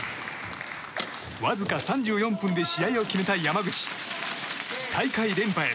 わずか３４分で試合を決めた山口大会連覇へ。